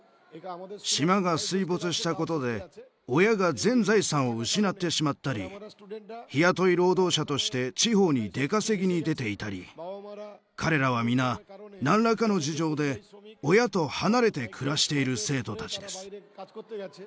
島が水没したことで親が全財産を失ってしまったり日雇い労働者として地方に出稼ぎに出ていたり彼らは皆何らかの事情で親と離れて暮らしている生徒たちです。